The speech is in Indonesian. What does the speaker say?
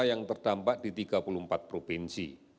yang terdampak di tiga puluh empat provinsi